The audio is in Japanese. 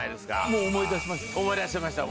もう思い出しました？